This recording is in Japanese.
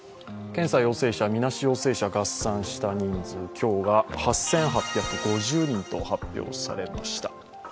検査陽性者、みなし陽性者合算した人数、今日は８８５０人と発表されました。